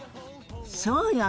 そうよね！